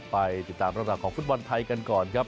ไปติดตามเรื่องราวของฟุตบอลไทยกันก่อนครับ